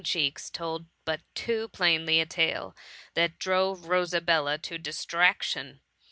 91 cheeks, told but too plainly a , tale that drove Rosabella to distraction.